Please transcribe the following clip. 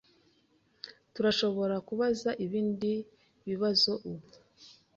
Turashobora kubaza ibindi bibazo ubu?